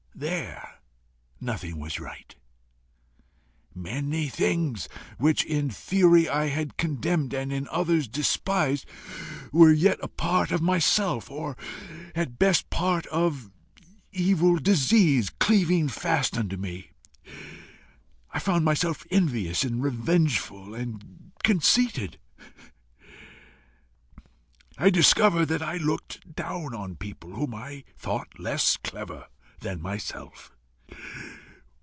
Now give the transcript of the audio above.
There nothing was right. Many things which in theory I condemned, and in others despised, were yet a part of myself, or, at best, part of evil disease cleaving fast unto me. I found myself envious and revengeful and conceited. I discovered that I looked down on people whom I thought less clever than myself.